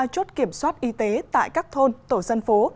sáu mươi ba chốt kiểm soát y tế tại các thôn tổ dân phố